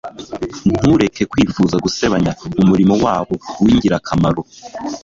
Ntureke Kwifuza gusebanya umurimo wabo w'ingirakamaro,